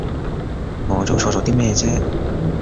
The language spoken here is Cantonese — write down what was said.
我做錯咗啲咩啫？